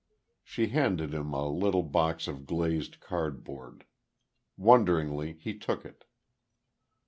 She handed him a little box of glazed cardboard. Wonderingly he took it.